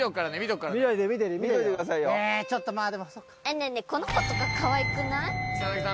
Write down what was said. ねえねえ、この子とかかわいくない？